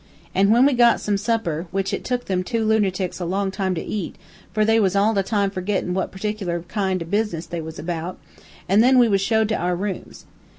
An' then we got some supper, which it took them two lunertics a long time to eat, for they was all the time forgettin' what particular kind o' business they was about, an' then we was showed to our rooms.